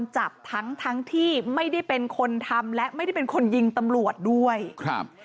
จับทั้งทั้งที่ไม่ได้เป็นคนทำและไม่ได้เป็นคนยิงตำรวจด้วยครับ